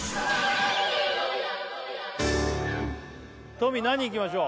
トミー何いきましょう？